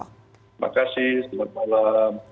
terima kasih selamat malam